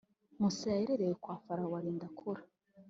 musa yarerewe kwa farawo arinda akura